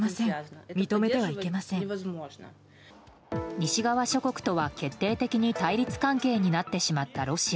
西側諸国とは決定的に対立関係になってしまったロシア。